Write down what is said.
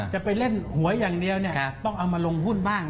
จะไปเล่นหวยอย่างเดียวต้องเอามาลงหุ้นบ้าง